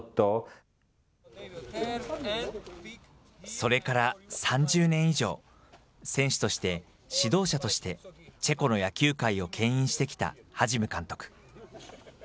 それから３０年以上、選手として、指導者として、チェコの野球界をけん引してきたハジム監督。